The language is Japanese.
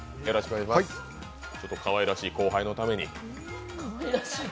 ちょっとかわいらしい後輩のために。